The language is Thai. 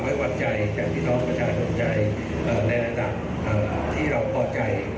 ไว้วางใจจากพี่น้องประชาชนใจในระดับที่เราพอใจ